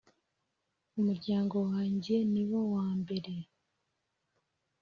umuryango wange ni wo wa mbere